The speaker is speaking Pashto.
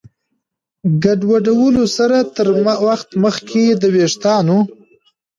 ګډوډولو سره تر وخت مخکې د ویښتانو